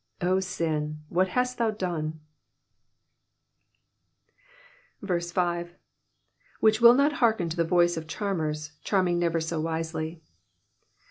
O sin, what hast thou done ! 5. '*WAicA will not hearken to the fmce of charmers^ charming never so wisely.''